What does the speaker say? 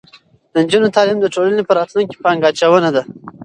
د نجونو تعلیم د ټولنې په راتلونکي پانګه اچونه ده.